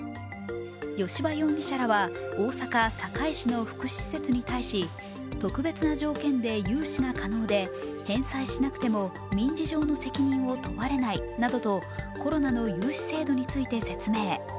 吉羽容疑者らは大阪・堺市の福祉施設に対し特別な条件で融資が可能で、返済しなくても民事上の責任を問われないなどとコロナの融資制度について説明。